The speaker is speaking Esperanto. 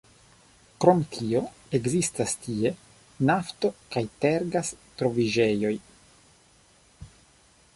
Krom tio ekzistas tie nafto- kaj tergas-troviĝejoj.